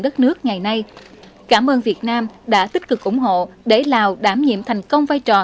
đất nước ngày nay cảm ơn việt nam đã tích cực ủng hộ để lào đảm nhiệm thành công vai trò